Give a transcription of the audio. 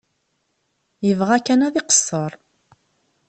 Yebɣa kan ad iqeṣṣer.